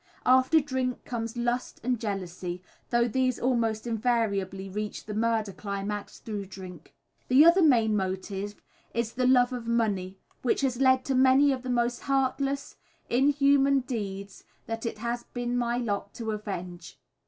After drink comes lust and jealousy, though these almost invariably reach the murder climax through drink. The other main motive is the love of money, which has led to many of the most heartless, inhuman deeds that it has been my lot to avenge.